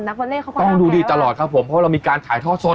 วอเล่เขาก็ต้องดูดีตลอดครับผมเพราะเรามีการถ่ายทอดสด